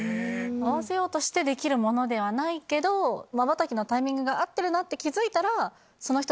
合わせようとしてできるものではないけどまばたきのタイミングが合ってるなって気付いたら。